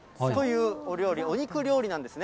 お料理、お肉料理なんですね。